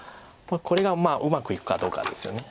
これがうまくいくかどうかですよね。